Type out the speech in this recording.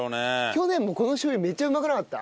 去年もこのしょう油めっちゃうまくなかった？